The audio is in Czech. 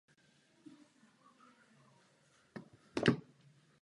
Původně se zastávka ve smyčce jmenovala Sídliště Modřany a předchozí zastávka Nad Roklí.